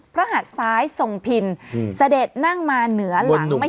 พระหัดซ้ายทรงพินเสด็จนั่งมาเหนือหลังมหิงสา